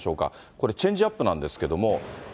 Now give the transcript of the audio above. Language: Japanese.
これ、チェンジアップなんですけども。